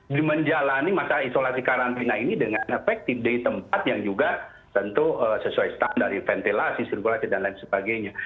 dia menjalani masa isolasi karantina ini dengan efektif di tempat yang juga tentu sesuai standar dari ventilasi sirkulasi dan lain sebagainya